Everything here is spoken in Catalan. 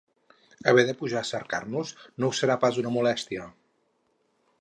Haver de pujar a cercar-nos, no us serà pas una molèstia?